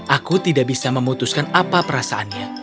aku tidak bisa memutuskan apa perasaannya